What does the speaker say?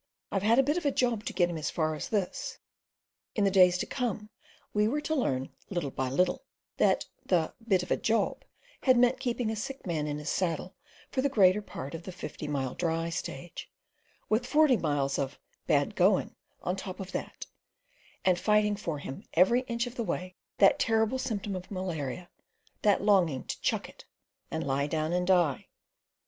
I've had a bit of a job to get him as far as this." In the days to come we were to learn, little by little, that the "bit of a job" had meant keeping a sick man in his saddle for the greater part of the fifty mile dry stage, with forty miles of "bad going" on top of that, and fighting for him every inch of the way that terrible symptom of malaria—that longing to "chuck it," and lie down and die.